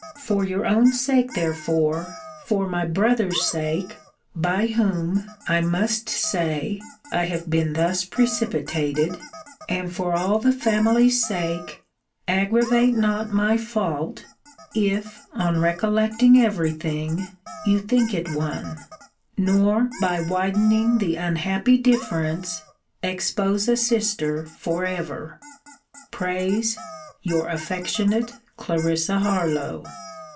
For your own sake therefore, for my brother's sake, by whom (I must say) I have been thus precipitated, and for all the family's sake, aggravate not my fault, if, on recollecting every thing, you think it one; nor by widening the unhappy difference, expose a sister for ever prays Your affectionate CL. HARLOWE.